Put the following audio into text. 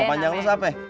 nama panjang lo siapa ya